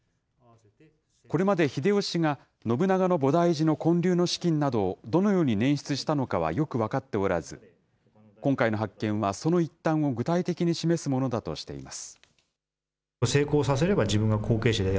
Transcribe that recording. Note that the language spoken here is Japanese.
これまで秀吉が信長の菩提寺の建立の資金などをどのように捻出したのかはよく分かっておらず、今回の発見はその一端を具体的に示すものだとしています。